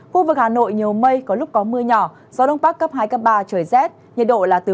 khu vực hà nội nhiều mây có lúc có mưa nhỏ gió đông bắc cấp hai ba trời rét nhiệt độ là từ một mươi bốn hai mươi hai độ